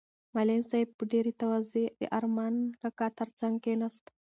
معلم صاحب په ډېرې تواضع د ارمان کاکا تر څنګ کېناست.